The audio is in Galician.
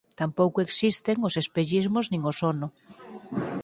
Tampouco existen os espellismos nin o sono.